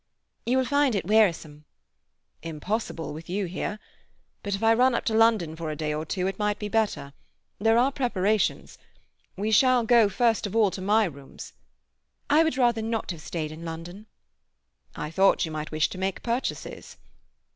"You will find it wearisome." "Impossible, with you here. But if I run up to London for a day or two it might be better. There are preparations. We shall go first of all to my rooms—" "I would rather not have stayed in London." "I thought you might wish to make purchases."